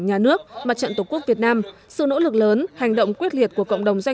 nhà nước mặt trận tổ quốc việt nam sự nỗ lực lớn hành động quyết liệt của cộng đồng doanh